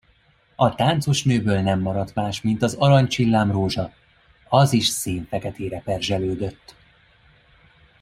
A táncosnőből nem maradt más, mint az aranycsillám rózsa, az is szénfeketére perzselődött.